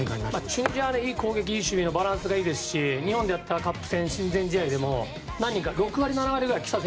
チュニジアはいい攻撃守備のバランスがいいですし日本でやったカップ戦親善試合でも何人か６７割ぐらいが来た